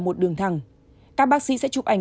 một đường thẳng các bác sĩ sẽ chụp ảnh